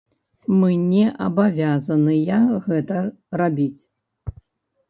Мы не абавязаныя гэта рабіць.